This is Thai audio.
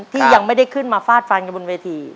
ที่ยังไม่ได้ขึ้นมาฟาดฟันกันบนเวที